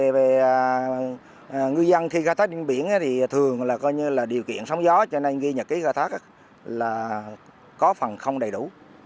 về ngư dân khi khai thác điện biển thì thường là điều kiện sóng gió cho nên ghi nhật ký khai thác là có phần không đầy đủ